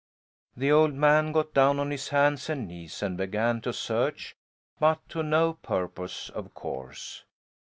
The old man got down on his hands and knees and began to search, but to no purpose, of course.